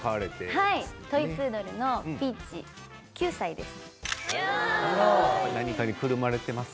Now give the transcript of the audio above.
はいトイ・プードルのピーチ９歳です